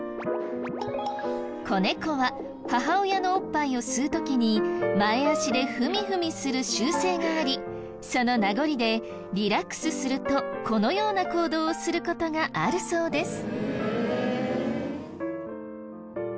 子猫は母親のおっぱいを吸う時に前脚でふみふみする習性がありその名残でリラックスするとこのような行動をする事があるそうです。